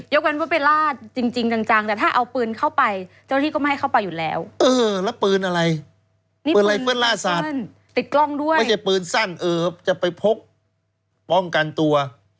ยกกันว่าเป็นล่าจริงจังแต่ถ้าเอาปืนเข้าไปเจ้าที่ก็ไม่ให้เข้าไปอยู่แล้ว